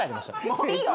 もういいよ。